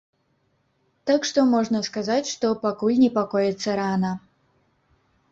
Так што можна сказаць, што пакуль непакоіцца рана.